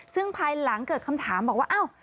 ซึ่งภายหลังเกิดคำถามบอกว่าอ้าว